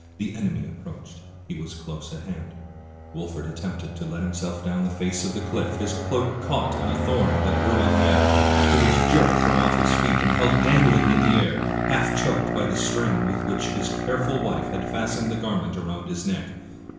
The enemy approached — he was close at hand. Wolfert attempted to let himself down the face of the cliflf. His cloak caught in a thorn that grew on the edge. He was jerked from off his feet, and held dangling in the air, half choked by the string with which his careful wife had fastened the garment around his neck.